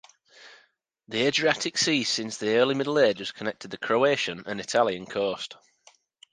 The Adriatic Sea since the Early Middle Ages connected the Croatian and Italian coast.